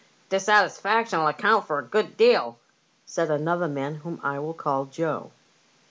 " Dissatisfaction'll account for a good deal," said another man, whom I will call Joe.